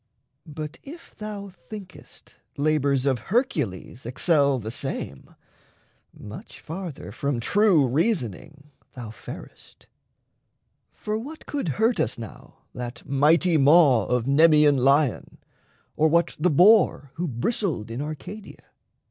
But if thou thinkest Labours of Hercules excel the same, Much farther from true reasoning thou farest. For what could hurt us now that mighty maw Of Nemeaean Lion, or what the Boar Who bristled in Arcadia?